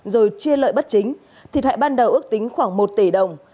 rồi chia lợi bất chính thiệt hại ban đầu ước tính khoảng một tỷ đồng